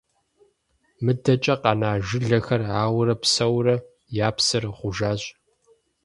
МыдэкӀэ къэна жылэхэр ауэрэ псэуурэ, я псыр гъужащ.